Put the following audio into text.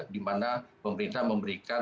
di mana pemerintah memberikan